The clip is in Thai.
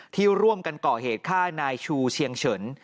ที่ร่วมกันก่อเหตุฆ่านายชูเชียงเฉิน